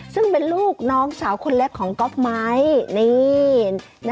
ซึ่งเป็นลูกน้องสาวคนเล็กของก๊อฟไมค์นี่